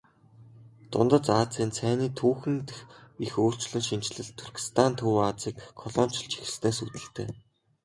Дундад Азийн цайны түүхэн дэх их өөрчлөн шинэчлэлт Туркестан Төв Азийг колоничилж эхэлснээс үүдэлтэй.